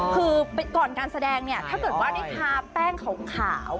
คือก่อนการแสดงเนี่ยถ้าเกิดว่าได้ทาแป้งขาว